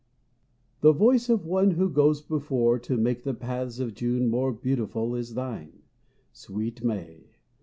The voice of one who goes before to make The paths of June more beautiful, is thine, Sweet May!